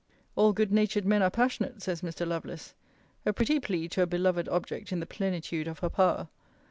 All good natured men are passionate, says Mr. Lovelace. A pretty plea to a beloved object in the plenitude of her power!